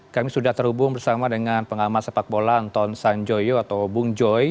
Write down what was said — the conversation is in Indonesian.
kami sudah terhubung bersama dengan pengamat sepak bola anton sanjoyo atau bung joy